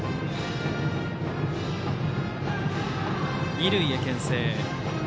二塁へ、けん制。